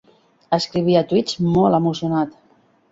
Escrivia twits molt emocionat.